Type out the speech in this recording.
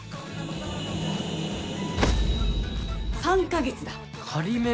３か月だ。